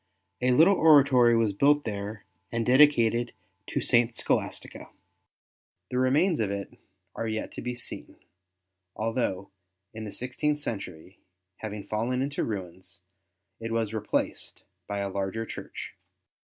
A little oratory was built there and dedicated to St. Scholastica. The remains of it are yet to be seen, although in the sixteenth century, having fallen into ruins, it was replaced by a larger church.